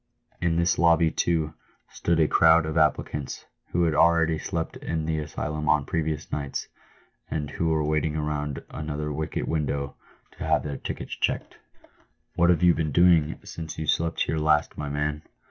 In this lobby, too, stood a crowd of applicants, who had already slept in the asylum on previous nights, and who were waiting round another wicket window to have their tickets checked. " What have you been doing since you slept here last, my man